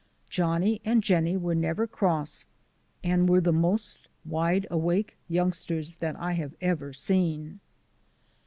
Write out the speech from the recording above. Johnny and Jennie were never cross and were the most wide awake youngsters that I have ever seen.